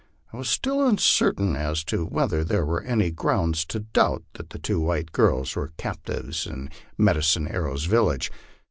I was still uncertain as to whether there were any grounds to doubt that the two white girls were cnptives in Medicine Arrow's village.